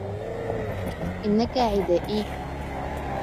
إنك عدائي